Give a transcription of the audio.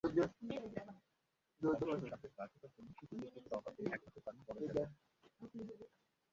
অবশ্য সাফের ব্যর্থতার জন্য শুধু প্রস্তুতির অভাবকেই একমাত্র কারণ বলা যাবে না।